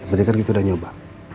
yang penting kan kita udah nyoba